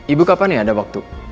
ibu kapan nih ada waktu